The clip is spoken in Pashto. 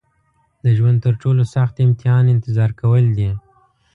د ژوند تر ټولو سخت امتحان انتظار کول دي.